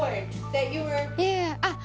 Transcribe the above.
あっ！